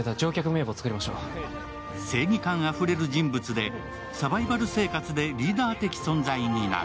正義感あふれる人物でサバイバル生活でリーダー的存在になる。